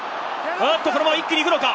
このまま一気に行くのか？